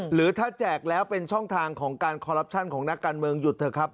หรือถ้าแจกแล้วเป็นช่องทางของการคอรัปชั่นของนักการเมืองหยุดเถอะครับ